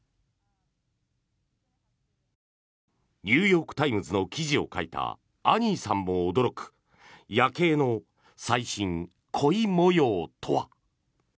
ニューヨーク・タイムズの記事を書いたアニーさんも驚くヤケイの最新恋模様とは。